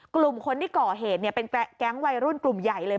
กลุ่มคนที่ก่อเหตุเป็นแก๊งวัยรุ่นกลุ่มใหญ่เลย